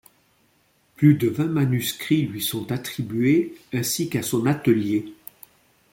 Plus de vingt manuscrits lui sont attribués ainsi qu'à son atelier.